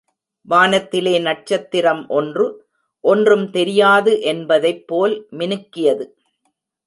வானத்திலே நட்சத்திரம் ஒன்று, ஒன்றும் தெரியாது என்பதைப் போல் மினுக்கியது.